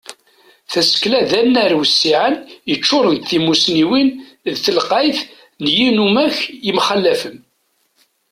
Tasekla d anar wissiɛen, yeččuren d timusniwin d telqayt n yinumak yemxalafen.